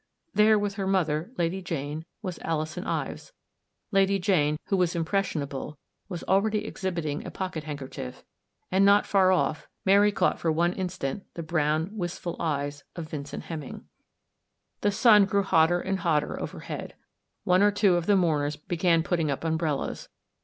There, with her mother, Lady Jane, was Alison Ives. Lady Jane, who was impressionable, was already exhibiting a pocket handkerchief, and not far off, Mary caught for one instant the brown, wistful eyes of Vincent Hem ming. The sun grew hotter and hotter overhead. One or two of the mourners began putting up umbrellas.